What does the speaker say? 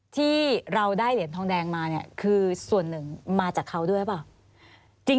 ที่เราได้เหรียญทองแดงมาเนี่ยคือส่วนหนึ่งมาจากเขาด้วยหรือเปล่า